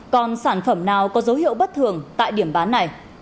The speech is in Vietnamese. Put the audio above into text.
còn sản phẩm nào có dấu hiệu bất thường tại điểm bán này